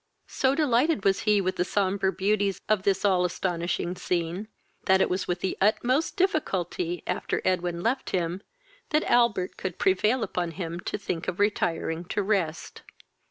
So delighted was he with the sombre beauties of this all astonishing scene, that it was with the utmost difficulty, after Edwin left him, that Albert could prevail upon him to think of retiring to rest.